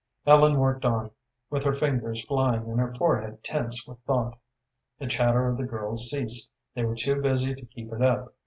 Ellen worked on, with her fingers flying and her forehead tense with thought. The chatter of the girls ceased. They were too busy to keep it up.